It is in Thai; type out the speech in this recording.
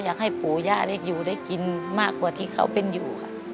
อยากให้ปู่ย่าได้อยู่ได้กินมากกว่าที่เขาเป็นอยู่ค่ะ